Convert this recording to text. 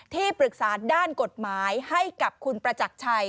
ที่ปรึกษาด้านกฎหมายให้กับคุณประจักรชัย